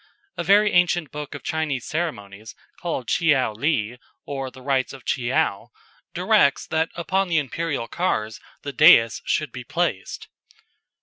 A very ancient book of Chinese ceremonies, called "Tcheou Li, or The Rites of Tcheou," directs that upon the imperial cars the dais should be placed.